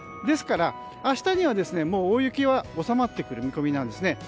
ですから、明日には大雪は収まってくる見込みなんですね。